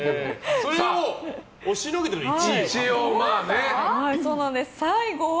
それを押しのけての１位は。